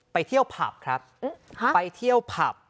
ไปเที่ยวผับครับไปเที่ยวผับ